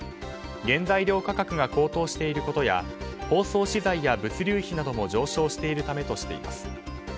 原材料価格が高騰していることや包装資材や物流費などが上昇しているためとしています。